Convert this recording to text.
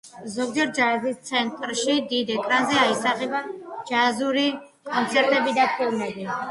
ზოგჯერ ჯაზის ცენტრში დიდ ეკრანზე აისახება ჯაზური კონცერტები და ფილმები.